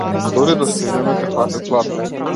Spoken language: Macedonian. Дури да стигнеме ќе фати пладне.